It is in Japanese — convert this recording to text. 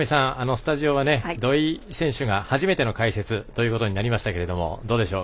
スタジオは、土居選手が初めての解説ということになりましたけれどもどうでしょう。